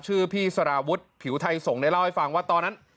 ชื่อพี่สารวุฒิผิวไทยส่งได้เล่าให้ฟังว่าตอนนั้น